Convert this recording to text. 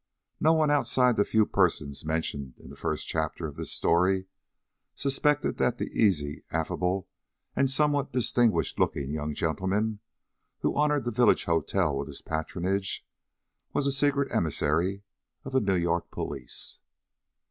No one outside of the few persons mentioned in the first chapter of this story suspected that the easy, affable, and somewhat distinguished looking young gentleman who honored the village hotel with his patronage was a secret emissary of the New York police.